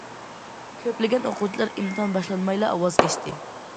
كۆپلىگەن ئوقۇغۇچىلار ئىمتىھان باشلانمايلا ۋاز كەچتى.